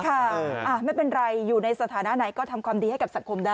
ค่ะไม่เป็นไรอยู่ในสถานะไหนก็ทำความดีให้กับสังคมได้